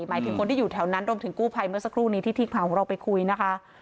หมายถึงคนที่อยู่แถวนั้นรวมถึงกู้ภัยเมื่อสักครู่นี้ที่ทีมข่าวของเราไปคุยนะคะ